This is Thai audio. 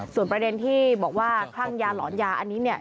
ส่วนประเด็นที่บอกว่าคลั่งยาหลอนยาอันนี้เนี่ย